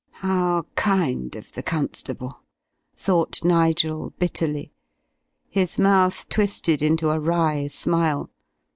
How kind of the constable, thought Nigel bitterly. His mouth twisted into a wry smile.